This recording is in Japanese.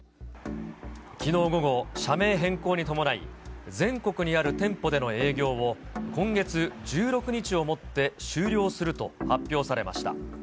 きのう午後、社名変更に伴い、全国にある店舗での営業を、今月１６日をもって終了すると発表されました。